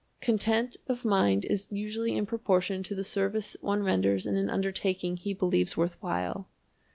Content of mind is usually in proportion to the service one renders in an undertaking he believes worth while.